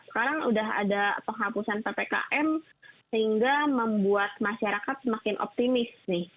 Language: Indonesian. sekarang sudah ada penghapusan ppkm sehingga membuat masyarakat semakin optimis nih